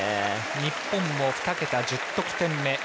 日本も２桁１０得点目。